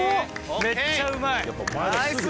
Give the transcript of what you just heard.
めっちゃうまい！